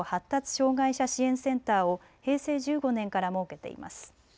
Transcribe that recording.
障害者支援センターを平成１５年から設けています。